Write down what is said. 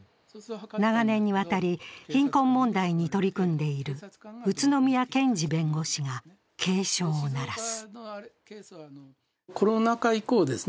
長年にわたり貧困問題に取り組んでいる宇都宮健児弁護士が警鐘を鳴らす。